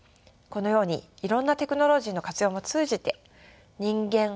このようにいろんなテクノロジーの活用も通じて人間